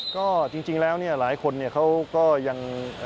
ก็จริงแล้วเนี่ยหลายคนเขาก็ยัง